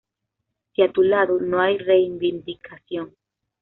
Si a tu lado no hay reivindicación".